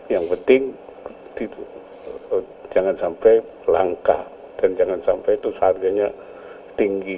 yang penting jangan sampai langka dan jangan sampai itu seharganya tinggi